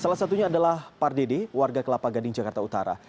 salah satunya adalah pardede warga kelapa gading jakarta utara